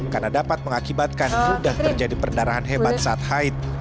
karena dapat mengakibatkan mudah terjadi perdarahan hebat saat haid